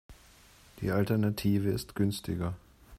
Die Alternative ist günstiger.